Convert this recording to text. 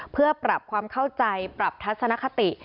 เพื่อปรับความเข้าใจปรับทัศนคติ